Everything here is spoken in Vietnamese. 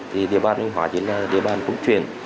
thì địa bàn nguyễn hòa chính là địa bàn phục truyền